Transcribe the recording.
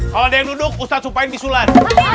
kalau ada yang duduk ustadz supaya disulan